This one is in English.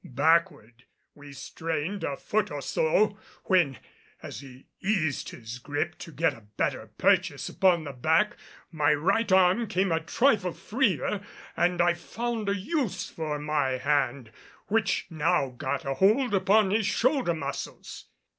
Backward we strained a foot or so, when, as he eased his gripe to get a better purchase upon the back, my right arm came a trifle freer and I found a use for my hand which now got a hold upon his shoulder muscles.